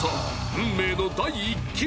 運命の第１球